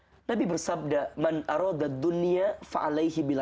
kef ilmi arthur barangsiapa yang mau mendapatkan kebahagiaan dunia dengan ilmu berarti dunia juga